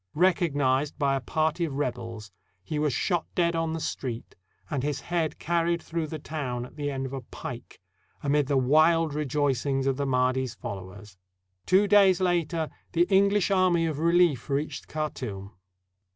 Recognized by a party of rebels, he was shot dead on the street and his head carried through the town at the end of a pike, amid the wild rejoicings of the Mahdi's followers. Two days later the English army of relief reached Khartoum.